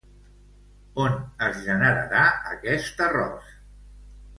On es generarà aquest arròs?